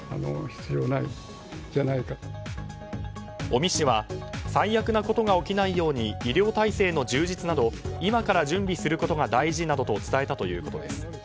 尾身氏は最悪なことが起きないように医療体制の充実など今から準備することが大事などと伝えたということです。